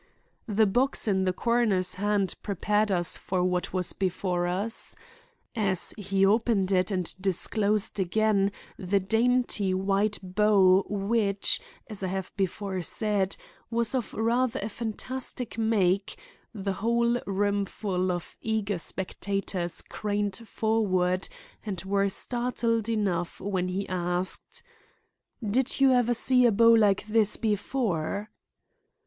The box in the coroner's hand prepared us for what was before us. As he opened it and disclosed again the dainty white bow which, as I have before said, was of rather a fantastic make, the whole roomful of eager spectators craned forward and were startled enough when he asked: "Did you ever see a bow like this before?"